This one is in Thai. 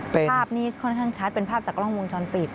ภาพนี้ค่อนข้างชัดเป็นภาพจากกล้องวงจรปิด